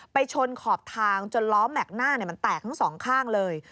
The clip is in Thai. ไปชนขอบทางจนล้อแม็กซ์หน้าเนี่ยมันแตกทั้ง๒ข้างเลย